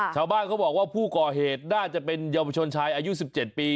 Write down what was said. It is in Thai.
ชาวบ้านเขาบอกว่าผู้ก่อเหตุน่าจะเป็นเยาวชนชายอายุ๑๗ปี